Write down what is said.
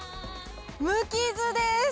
無傷です。